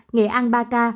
nghệ an ba ca